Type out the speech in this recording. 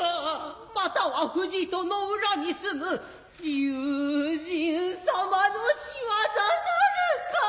または藤戸の浦に住む龍神さまの仕業なるか。